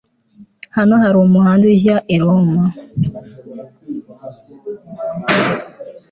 Hano hari umuhanda ujya i Roma